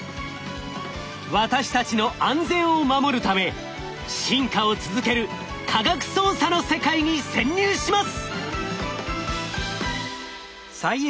私たちの安全を守るため進化を続ける「科学捜査」の世界に潜入します！